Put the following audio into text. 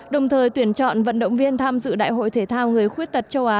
đồng thời tuyển chọn vận động viên tham dự đại hội thể thao người khuyết tật châu á